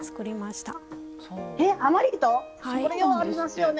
それようありますよね。